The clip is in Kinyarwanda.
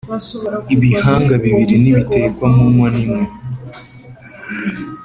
Ibihanga bibili ntibitekwa mu nkono imwe.